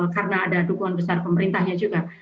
karena ada dukungan besar pemerintahnya juga